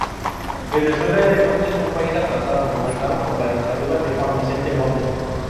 Venezuela era entonces un país atrasado, gobernado por la dictadura de Juan Vicente Gómez.